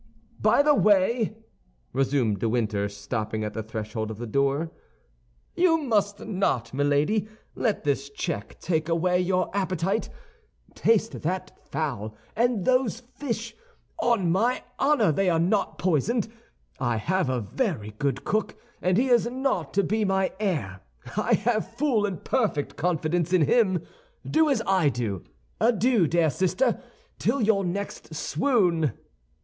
"By the way," resumed de Winter, stopping at the threshold of the door, "you must not, Milady, let this check take away your appetite. Taste that fowl and those fish. On my honor, they are not poisoned. I have a very good cook, and he is not to be my heir; I have full and perfect confidence in him. Do as I do. Adieu, dear sister, till your next swoon!"